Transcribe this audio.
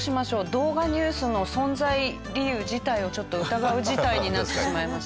『動画ニュース』の存在理由自体をちょっと疑う事態になってしまいました。